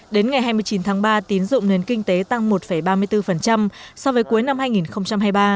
đến ngày hai mươi chín tháng ba tín dụng nền kinh tế tăng một ba mươi bốn so với cuối năm hai nghìn hai mươi ba